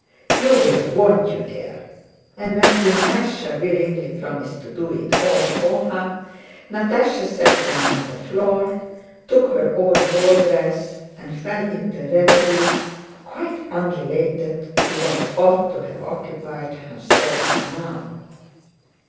You will, won't you, dear?" And when Dunyásha willingly promised to do it all for her, Natásha sat down on the floor, took her old ball dress, and fell into a reverie quite unrelated to what ought to have occupied her thoughts now.